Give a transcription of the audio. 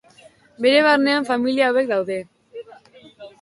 Bere barnean familia hauek daude.